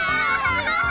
すごい！